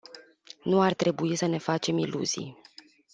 Nu ar trebui să ne facem iluzii.